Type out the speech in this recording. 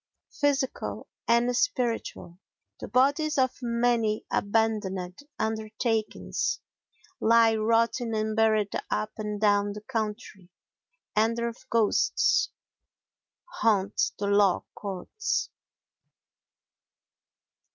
Physical and Spiritual The bodies of many abandoned undertakings lie rotting unburied up and down the country and their ghosts haunt the law courts.